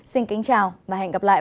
xin kính chào và hẹn gặp lại